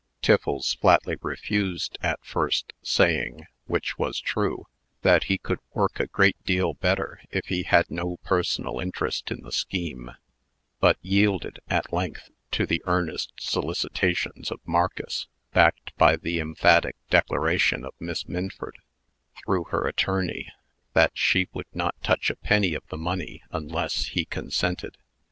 Tiffles flatly refused, at first, saying (which was true) that he could work a great deal better if he had no personal interest in the scheme; but yielded, at length, to the earnest solicitations of Marcus, backed by the emphatic declaration of Miss Minford (through her attorney), that she would not touch a penny of the money unless he consented.